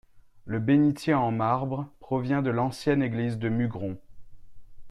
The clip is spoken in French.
Le bénitier en marbre provient de l'ancienne église de Mugron.